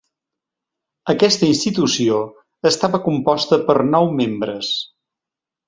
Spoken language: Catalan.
Aquesta institució estava composta per nou membres.